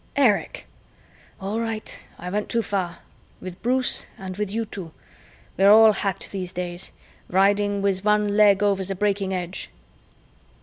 "Erich!" "All right, I went too far with Bruce and with you too. We're all hacked these days, riding with one leg over the breaking edge."